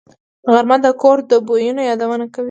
غرمه د کور د بویونو یادونه کوي